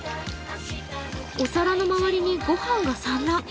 お皿の周りにごはんが散乱。